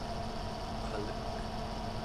alek